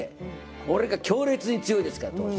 これが強烈に強いですから当時。